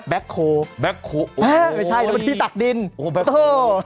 แบ็คโค้ลโอ้โหแบ็คโค้ลโอ้โหแบ็คโค้ล